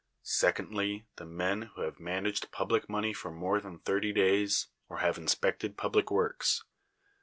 Secondly, the men who have managed public money for more than thirty days, or have inspected public works.